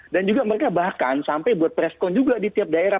dan juga mereka bahkan sampai buat presscon juga di tiap daerah